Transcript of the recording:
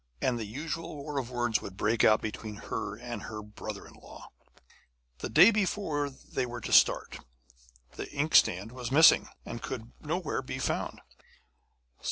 and the usual war of words would break out between her and her brother in law. The day before they were to start, the inkstand was missing, and could nowhere be found.